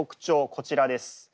こちらです。